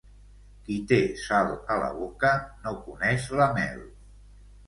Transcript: Qui té sal a la boca, no coneix la mel.